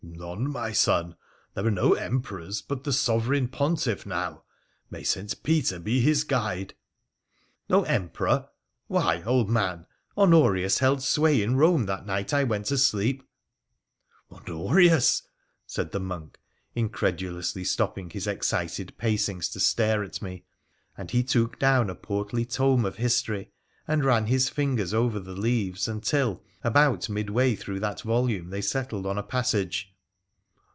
' None, my son. There are no Emperors but the Sovereign Pontiff now — may St. Peter be his guide !'' No Emperor ! Why, old man, Honorius held sway in JJcme that night I went to sleep 1 ' PHRA THE PHCENICIAN 67 ' Honorius !' said the monk, incredulously stopping his excited pacings to stare at me ; and he took down a portly tome of history and ran his fingers over the leaves, until, about midway through that volume, they settled on a passage.